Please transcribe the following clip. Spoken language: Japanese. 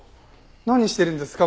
何してるんですか？